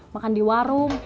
makan di warung